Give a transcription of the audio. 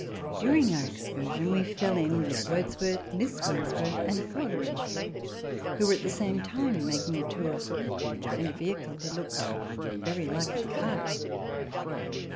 During our excursion we fell in with Wordsworth, Miss Words worth, and Coleridge, who were, at the same time, making a tour in a vehicle that looked very like a cart.